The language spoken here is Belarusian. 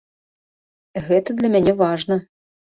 Гэта для мяне важна.